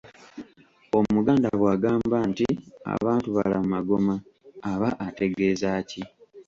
Omuganda bwagamba nti abantu balamu magoma, aba ategeeza ki?